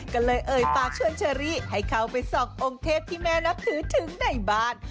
ก็เลยเอ่ยปากชวนเชอรี่ให้เข้าไปส่ององค์เทพที่แม่นับถือถึงในบ้าน